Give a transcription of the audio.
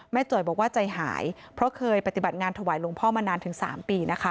จ่อยบอกว่าใจหายเพราะเคยปฏิบัติงานถวายหลวงพ่อมานานถึง๓ปีนะคะ